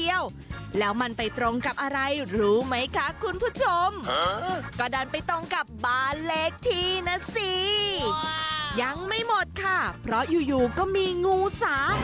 ยังไม่หมดค่ะเพราะอยู่ก็มีงูสา